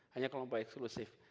hanya kelompok eksklusif